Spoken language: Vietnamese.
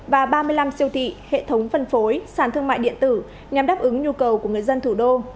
và ba mươi năm siêu thị hệ thống phân phối sản thương mại điện tử nhằm đáp ứng nhu cầu của người dân thủ đô